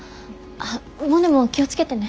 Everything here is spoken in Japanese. あっモネも気を付けてね。